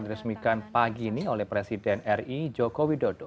diresmikan pagi ini oleh presiden ri joko widodo